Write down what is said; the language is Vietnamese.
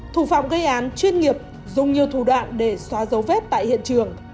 thủ phạm gây án chuyên nghiệp dùng nhiều thủ đoạn để xóa dấu vết tại hiện trường